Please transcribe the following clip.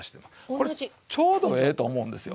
これちょうどええと思うんですよ。